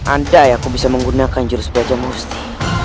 andai aku bisa menggunakan jurus belajar musti